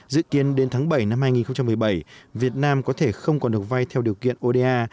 dự kiến đến tháng bảy năm hai nghìn một mươi bảy việt nam có thể không còn được vay theo điều kiện oda